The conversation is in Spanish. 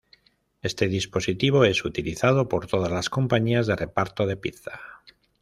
Este dispositivo es utilizado por todas las compañías de reparto de pizza.